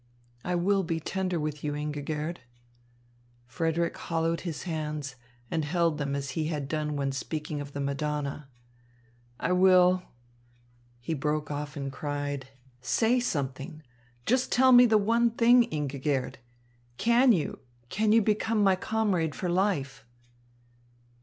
I will be tender with you, Ingigerd." Frederick hollowed his hands and held them as he had done when speaking of the Madonna. "I will " He broke off and cried: "Say something! Just tell me the one thing, Ingigerd! Can you can you become my comrade for life?"